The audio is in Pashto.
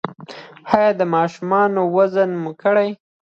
ایا د ماشومانو وزن مو کړی؟